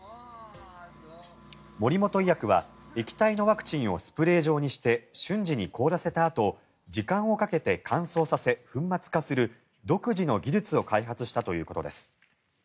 モリモト医薬は液体のワクチンをスプレー状にして瞬時に凍らせたあと時間をかけて乾燥させ粉末化する独自の技術を開発したということです。